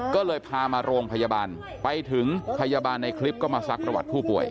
ก็เลยพามาโรงพยาบาลไปถึงพยาบาลในคลิปก็มาซักประวัติผู้ป่วย